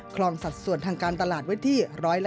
คลองสัดส่วนทางการตลาดไว้ที่๑๕